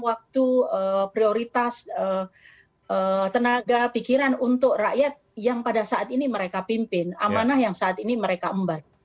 waktu prioritas tenaga pikiran untuk rakyat yang pada saat ini mereka pimpin amanah yang saat ini mereka emban